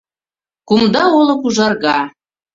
Кумда олык ужарга.